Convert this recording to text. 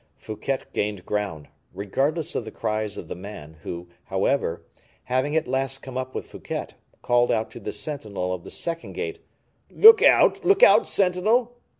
Fouquet gained ground, regardless of the cries of the man, who, however, having at last come up with Fouquet, called out to the sentinel of the second gate, "Look out, look out, sentinel!"